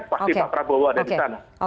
pasti pak prabowo ada di sana